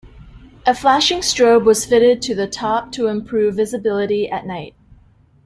A flashing strobe was fitted to the top to improve visibility at night.